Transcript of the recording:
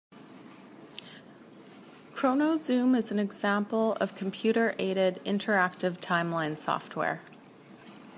ChronoZoom is an example of computer aided interactive timeline software.